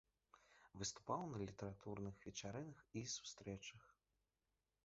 Выступаў на літаратурных вечарынах і сустрэчах.